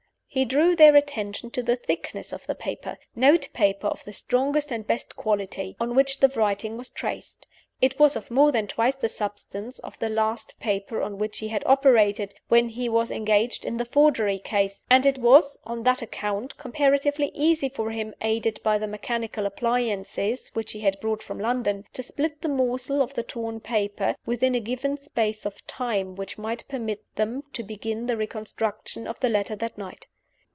He drew their attention to the thickness of the paper note paper of the strongest and best quality on which the writing was traced. It was of more than twice the substance of the last paper on which he had operated, when he was engaged in the forgery ease; and it was, on that account, comparatively easy for him (aided by the mechanical appliances which he had brought from London) to split the morsels of the torn paper, within a given space of time which might permit them to begin the reconstruction of the letter that night.